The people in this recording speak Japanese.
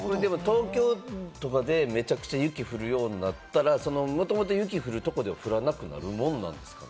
東京とかで、めちゃくちゃ雪降るようになったら、もともと雪降るところで降らなくなったりするもんなんですか？